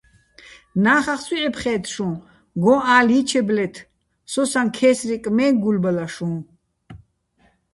ნა́ხახ ცუჲ ჺეფხე́თ შუჼ, გოჼ ალ ჲიჩებლეთ, სოსაჼ ქე́სრიკ მეჼ გულბალა შუჼ.